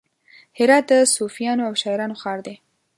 هرات د صوفیانو او شاعرانو ښار دی.